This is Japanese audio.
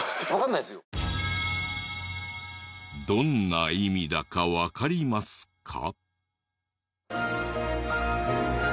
どんな意味だかわかりますか？